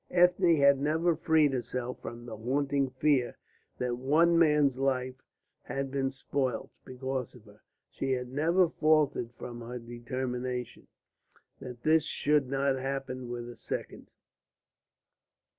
Ethne had never freed herself from the haunting fear that one man's life had been spoilt because of her; she had never faltered from her determination that this should not happen with a second.